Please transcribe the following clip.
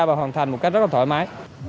và hoàn thành một cách rất là thoải mái